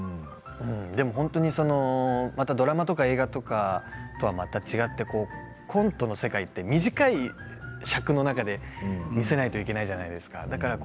本当にドラマとか映画とかとはまた違ってコントの世界は短い尺の中で見せなくてはいけないじゃないですか。